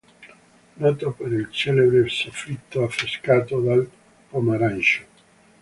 Noto per il celebre soffitto affrescato dal Pomarancio.